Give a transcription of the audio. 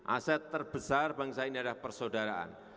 aset terbesar bangsa ini adalah persaudaraan